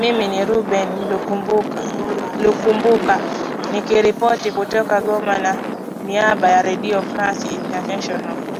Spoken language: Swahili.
mimi ni rubeun lukumbuka nikiripoti kutoka goma kwa niaba ya redio france international